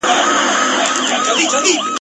چي دي لاس تش سو تنها سوې نو یوازي خوره غمونه !.